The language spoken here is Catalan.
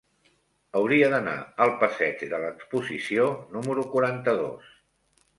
Hauria d'anar al passeig de l'Exposició número quaranta-dos.